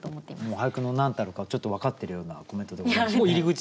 もう俳句の何たるかをちょっと分かってるようなコメントでございますね。